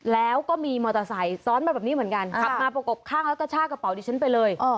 แล้วก็มีมอเตอร์ไซค์ซ้อนมาแบบนี้เหมือนกันขับมาประกบข้างแล้วก็ชากระเป๋าดิฉันไปเลย